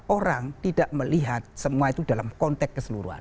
orang tidak melihat semua itu dalam konteks keseluruhan